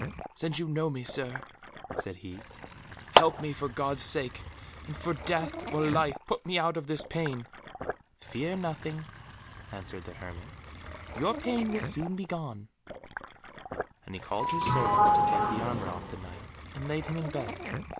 "Since you know me, Sir," said he, "help me for God's sake, and for death or life put me out of this pain." "Fear nothing," answered the hermit, "your pain will soon be gone," and he called his servants to take the armour off the Knight, and laid him in bed.